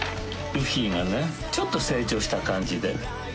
ルフィがねちょっと成長した感じで。